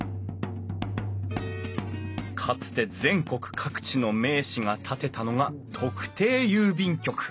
かつて全国各地の名士が建てたのが特定郵便局。